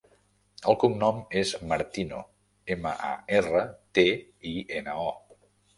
El cognom és Martino: ema, a, erra, te, i, ena, o.